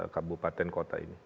empat kabupaten kota ini